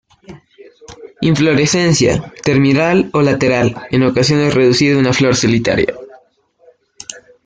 Inflorescencia, terminal o lateral, en ocasiones reducida a una flor solitaria.